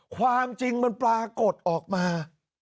ความจริงมันปรากฏออกมา